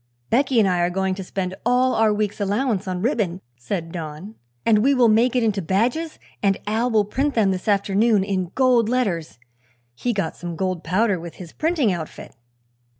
"Becky and I are going to spend all our week's allowance on ribbon," said Don, "and we will make it into badges and Al will print them this afternoon in gold letters. He got some gold powder with his printing outfit."